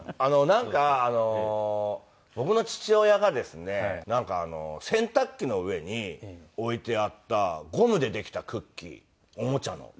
なんか僕の父親がですね洗濯機の上に置いてあったゴムでできたクッキーおもちゃの。